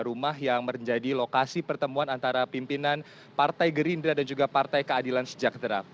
rumah yang menjadi lokasi pertemuan antara pimpinan partai gerindra dan juga partai keadilan sejak terang